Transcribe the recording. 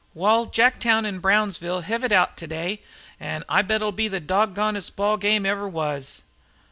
"Wal, Jacktown an' Brownsville hev it out today, an' I'll bet it'll be the dog gondest ball game as ever was."